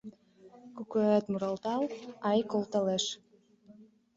Кукуэт муралтал, ай, колталеш.